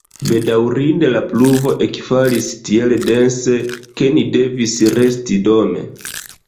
Bedaŭrinde la pluvo ekfalis tiel dense, ke ni devis resti dome.